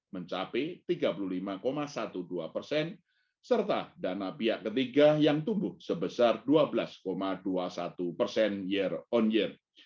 mencapai tiga puluh lima dua belas persen serta dana pihak ketiga yang tumbuh sebesar dua belas dua puluh satu persen year on year